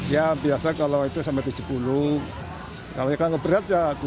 ya biasa kalau itu sampai tujuh puluh kalau yang keberat ya dua puluh lima gitu